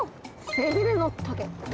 背びれの棘。